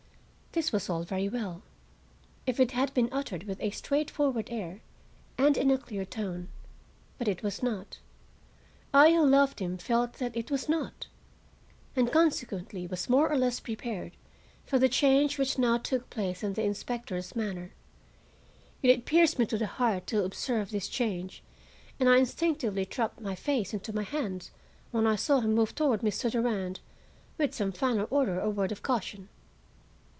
This was all very well, if it had been uttered with a straightforward air and in a clear tone. But it was not. I who loved him felt that it was not, and consequently was more or less prepared for the change which now took place in the inspector's manner. Yet it pierced me to the heart to observe this change, and I instinctively dropped my face into my hands when I saw him move toward Mr. Durand with some final order or word of caution.